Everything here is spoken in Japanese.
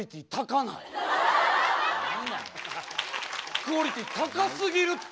クオリティー高すぎるって。